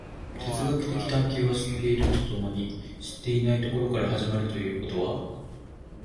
哲学的探求は知っていると共に知っていないところから始まるということは、